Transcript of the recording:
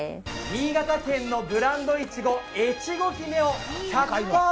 新潟県のブランドいちご、越後姫なんです。